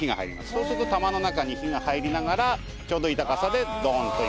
そうすると玉の中に火が入りながらちょうどいい高さでドーンといって。